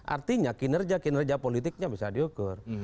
artinya kinerja kinerja politiknya bisa diukur